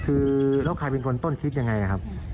คือแล้วใครเป็นคนต้นคิดยังไงครับ